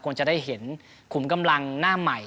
คงจะได้เห็นขุมกำลังหน้าใหม่